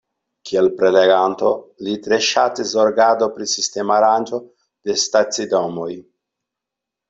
Kiel preleganto li tre ŝatis zorgado pri sistema aranĝo de stacidomoj.